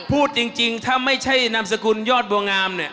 พูดจริงถ้าไม่ใช่นามสกุลยอดบัวงามเนี่ย